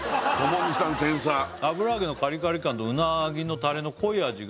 天才「油揚げのカリカリ感とうなぎのタレの濃い味が」